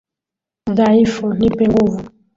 Dhaifu, nipe nguvu,